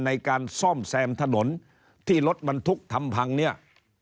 ในการซ่อมแซมถนนที่รถบรรทุกทำพังเนี่ย